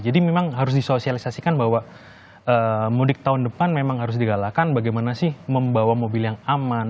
jadi memang harus disosialisasikan bahwa pemudik tahun depan memang harus digalakan bagaimana sih membawa mobil yang aman